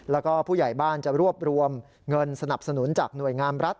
แล้วก็ผู้ใหญ่บ้านจะรวบรวมเงินสนับสนุนจากหน่วยงามรัฐ